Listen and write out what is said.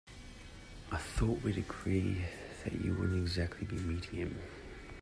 I thought we'd agreed that you wouldn't actually be meeting him?